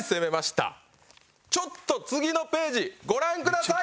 ちょっと次のページご覧ください！